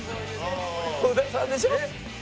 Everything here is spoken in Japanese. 小田さんでしょ？